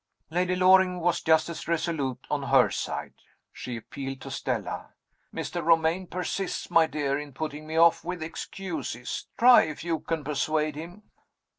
Lady Loring was just as resolute on her side. She appealed to Stella. "Mr. Romayne persists, my dear, in putting me off with excuses. Try if you can persuade him."